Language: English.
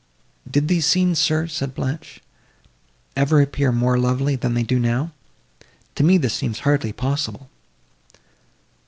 "Did these scenes, sir," said Blanche, "ever appear more lovely, than they do now? To me this seems hardly possible."